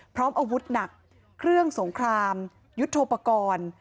พร้อมอาวุธหนักเครื่องสงครามยุทธโทปกรณ์